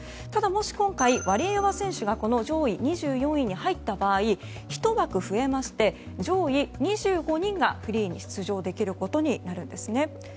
ただ、もし今回ワリエワ選手が上位２４位に入った場合、１枠増えまして上位２５人がフリーに出場できることになるんです。